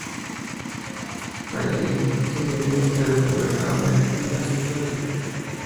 Allí conseguiría ser el primer All-American de la historia de Louisiana Tech.